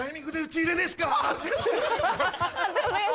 恥ずかしい！